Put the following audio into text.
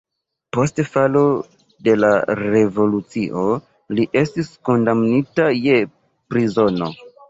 Post falo de la revolucio li estis kondamnita je prizono.